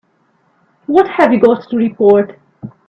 What have you got to report?